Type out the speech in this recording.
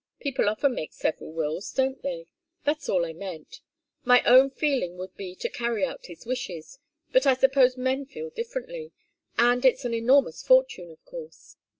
People often make several wills, don't they? That's all I meant. My own feeling would be to carry out his wishes. But I suppose men feel differently and it's an enormous fortune, of course.